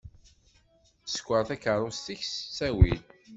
Sker takaṛust-ik s ttawil?